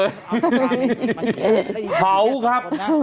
เผาครับ